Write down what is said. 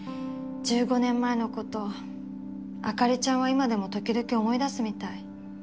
１５年前のこと朱梨ちゃんは今でも時々思い出すみたい。